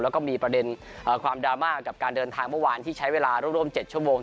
แล้วก็มีประเด็นความดราม่ากับการเดินทางเมื่อวานที่ใช้เวลาร่วม๗ชั่วโมง